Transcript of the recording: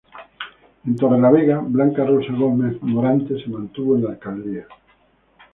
En Torrelavega Blanca Rosa Gómez Morante se mantuvo en la alcaldía.